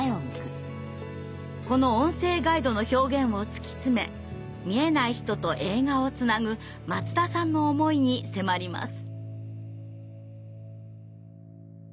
この音声ガイドの表現を突き詰め見えない人と映画をつなぐ松田さんの思いに迫ります。